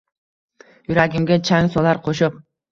Yuragimga chang solar qoʼshiq.